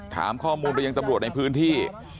ถามข้อมูลไปยังตำรวจในพื้นที่